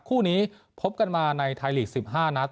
คู่นี้พบกันมาในไทยลีก๑๕นัด